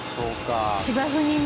芝生にね。